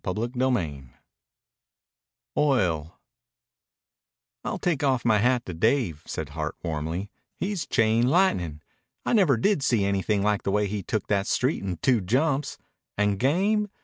CHAPTER XVII OIL "I'll take off my hat to Dave," said Hart warmly. "He's chain lightnin'. I never did see anything like the way he took that street in two jumps. And game?